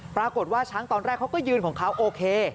ปรากฏว่าช้างตอนแรกเขาก็ยืนของเขาโอเค